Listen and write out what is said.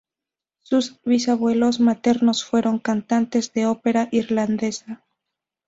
Sus bisabuelos maternos fueron cantantes de ópera irlandesa.